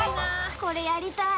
これやりたい。